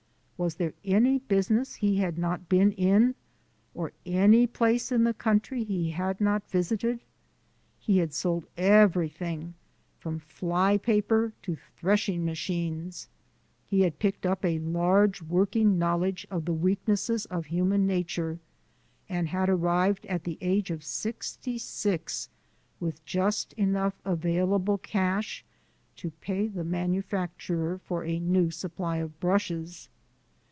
Was there any business he had not been in, or any place in the country he had not visited? He had sold everything from fly paper to threshing machines, he had picked up a large working knowledge of the weaknesses of human nature, and had arrived at the age of sixty six with just enough available cash to pay the manufacturer for a new supply of brushes.